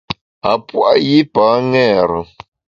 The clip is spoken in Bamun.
A pua’ yipa ṅêre.